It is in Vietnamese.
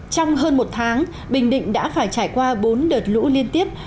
trong hơn một tháng bình định đã phải trải qua bốn đợt lũ liên tiếp